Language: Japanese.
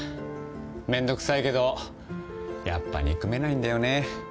めんどくさいけどやっぱ憎めないんだよね。